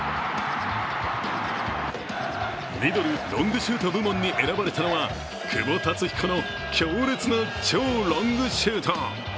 ミドル／ロングシュート部門に選ばれたのは久保竜彦の強烈な超ロングシュート。